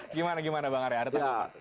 gimana bang arya ada takutnya